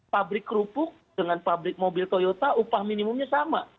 pabrik kerupuk dengan pabrik mobil toyota upah minimumnya sama